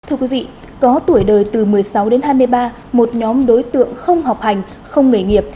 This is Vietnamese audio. thưa quý vị có tuổi đời từ một mươi sáu đến hai mươi ba một nhóm đối tượng không học hành không nghề nghiệp